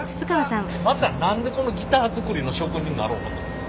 また何でこのギター作りの職人になろう思ったんですか？